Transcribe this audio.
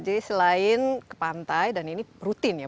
jadi selain ke pantai dan ini rutin ya